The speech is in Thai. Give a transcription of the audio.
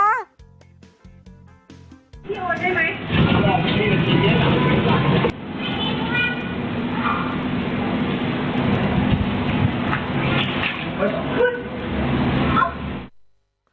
พี่โอ้นได้มั้ย